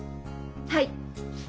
はい！